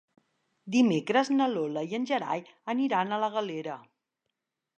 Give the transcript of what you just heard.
Dimecres na Lola i en Gerai aniran a la Galera.